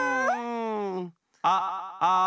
ああ。